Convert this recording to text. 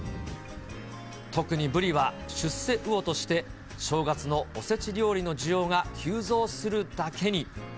特にブリは、出世魚として、正月のおせち料理の需要が急増するだけに。